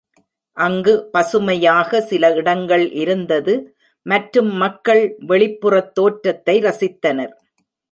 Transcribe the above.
அங்கு பசுமையாக சில இடங்கள் இருந்தது மற்றும் மக்கள் வெளிப்புறத் தோற்றத்தை ரசித்தனர்.